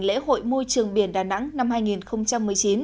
lễ hội môi trường biển đà nẵng năm hai nghìn một mươi chín